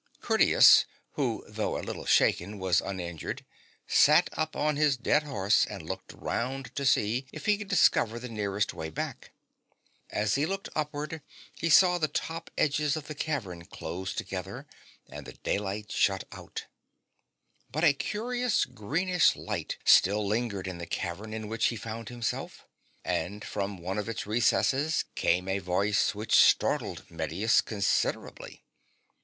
Curtius, who, though a little shaken, was uninjured, sat up on his dead horse and looked round to see if he could discover the nearest way back. As he looked upward he saw the top edges of the cavern close together, and the daylight shut out. But a curious greenish light still lingered in the cavern in which he found himself, and from one of its recesses came a voice which startled Mettus considerably.